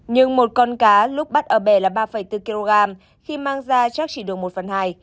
nhưng một con cá lúc bắt ở bè là ba bốn kg khi mang ra chắc chỉ được một phần hai